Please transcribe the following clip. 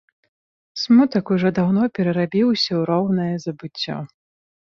Смутак ужо даўно перарабіўся ў роўнае забыццё.